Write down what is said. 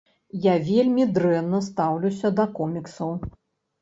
Я вельмі дрэнна стаўлюся да коміксаў.